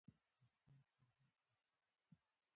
لیکوال همداسې وکړل.